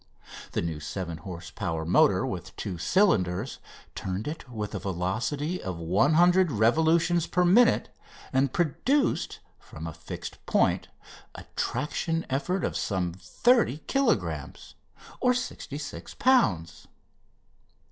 The new 7 horse power motor with two cylinders turned it with a velocity of 100 revolutions per minute, and produced, from a fixed point, a traction effort of some 30 kilogrammes (66 lbs.).